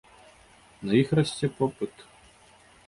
На іх расце попыт.